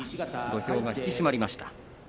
土俵が引き締まりました。